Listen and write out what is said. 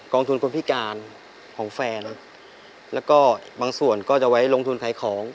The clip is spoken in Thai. กองทุนคนพิการของแฟนแล้วก็บางส่วนก็จะเอาไปลงทุนไขของ